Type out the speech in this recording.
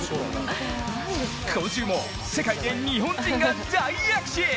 今週も世界で日本人が大躍進！